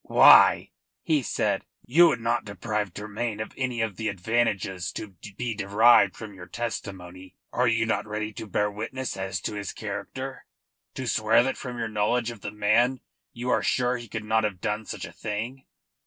"Why," he said, "you would not deprive Tremayne of any of the advantages to be derived from your testimony? Are you not ready to bear witness as to his character? To swear that from your knowledge of the man you are sure he could not have done such a thing?